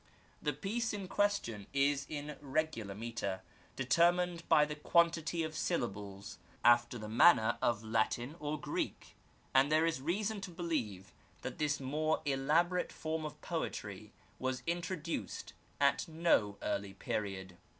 The piece in question is in regular metre, determined by the quan tity of syllables after the manner of Latin or Greek, and there is reason to believe that this more elaboY«it/^ fet\s^ <5}l ^^qp^^x^ ^"^^s^ 12 The Arabic Language. introduced at no early period.